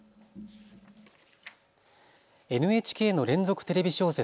ＮＨＫの連続テレビ小説